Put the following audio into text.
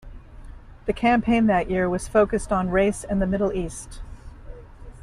The campaign that year was focused on race and the Middle East.